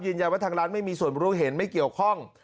ยืนยังว่าทางร้านไม่มีส่วนบรูทเหตุไม่เกี่ยวข้อง